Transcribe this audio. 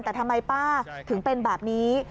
แต่ทำไมป้าถึงเป็นแบบนี้